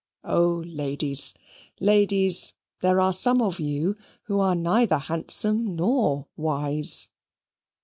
O ladies, ladies! there are some of you who are neither handsome nor wise.